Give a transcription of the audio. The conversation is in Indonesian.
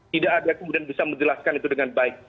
tidak ada yang kemudian bisa menjelaskan itu dengan baik